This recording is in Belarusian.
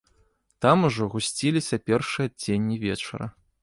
Там ужо гусціліся першыя адценні вечара.